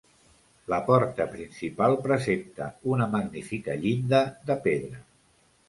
La porta principal presenta una magnífica llinda de pedra.